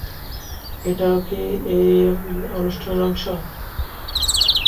এটাও কি অনুষ্ঠানের অংশ?